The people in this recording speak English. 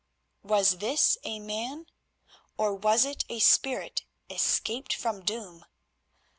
Was this a man, or was it a spirit escaped from doom?